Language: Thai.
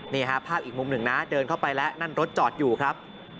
ภาพอีกมุมหนึ่งนะเดินเข้าไปแล้วนั่นรถจอดอยู่ครับ